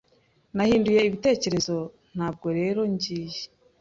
Nahinduye ibitekerezo, ntabwo rero ngiye.